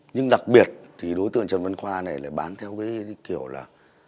nhưng đặc biệt thì đối tượng trần văn khoa này lại bán theo cái kiểu là